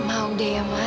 mau deh ya ma